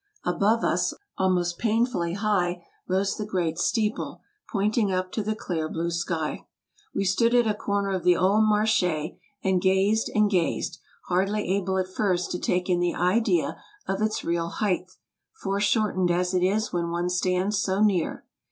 Above us, almost painfully high, rose the great steeple, pointing up to the clear blue sky. We stood at a corner of the old Marche and gazed and gazed, hardly able at first to take in the idea of its real height, foreshortened as it is when one stands so near.